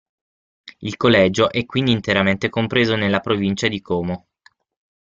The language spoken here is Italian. Il collegio è quindi interamente compreso nella provincia di Como.